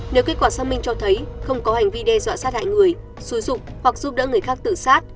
nếu kết quả xác minh cho thấy không có hành vi đe dọa sát hại người xúi dụng hoặc giúp đỡ người khác tự sát